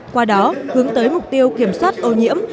qua đó hướng tới mục tiêu kiểm soát ô nhiễm